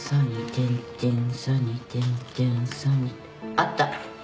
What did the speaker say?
あった。